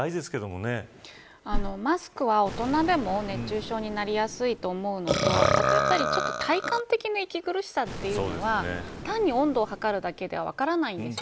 マスクは大人でも熱中症になりやすいと思うのとあと、やっぱりちょっと体感的な息苦しさというのは単に、温度計だけでは分からないんです。